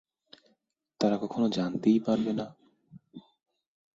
তারা কখনো জানতেই পারবে না।